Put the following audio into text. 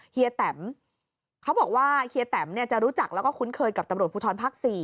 เคยบอกว่าเฮียแตมจะรู้จักและคุ้นเคยกับตำรวจพุทธรภาค๔